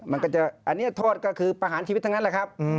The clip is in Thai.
มันก็จะอันนี้โทษก็คือประหารชีวิตทั้งนั้นแหละครับ